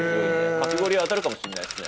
かき氷屋当たるかもしれないですね。